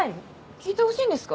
聞いてほしいんですか？